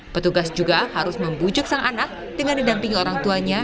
petugas juga harus membujuk sang anak dengan didampingi orang tuanya